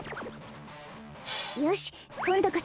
よしこんどこそ！